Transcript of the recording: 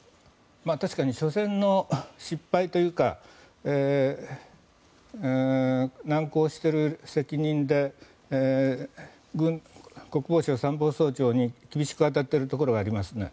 確かに初戦の失敗というか難航している責任で国防相、参謀総長に厳しく当たっているところはありますね。